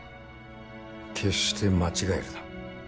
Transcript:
決して間違えるな。